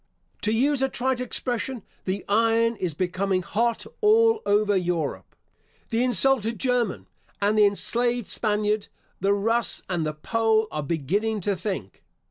To use a trite expression, the iron is becoming hot all over Europe. The insulted German and the enslaved Spaniard, the Russ and the Pole, are beginning to think.